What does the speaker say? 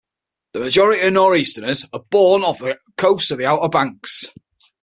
The majority of nor'easters are "born" off the coasts of the Outer Banks.